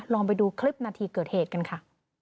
ลองไปดูคลิปนาทีเกิดเหตุกันค่ะ